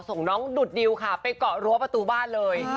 ส่งน้องดุดดิวค่ะไปเกาะรั้วประตูบ้านเลย